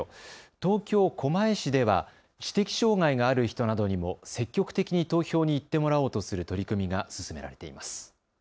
東京狛江市では知的障害がある人などにも積極的に投票に行ってもらおうとする取り組みが進められています。